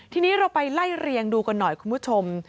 ทีนี้เราไปไล่เรียงดูกันหน่อยคุณผู้ชม